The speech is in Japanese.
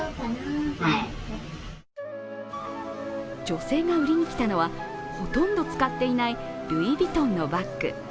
女性が売りに来たのは、ほとんど使っていないルイ・ヴィトンのバッグ。